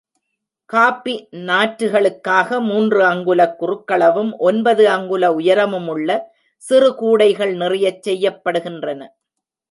Coffee நாற்று களுக்காக மூன்று அங்குலக் குறுக்களவும், ஒன்பது அங்குல உயரமுமுள்ள சிறு கூடைகள் நிறையச் செய்யப்படுகின்றன.